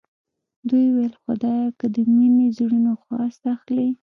دې وویل خدایه که د مینې زړونو خواست اخلې.